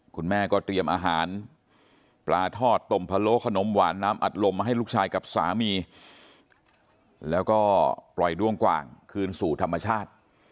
คุณแม่ก็เตรียมอาหารปลาทอดตมพะโลขนมหวานน้ำอัดลมมาให้ลูกชายกับสามีแล้วก็ปล่อยด้วงกว่างคืนสู่ธรรมชาติ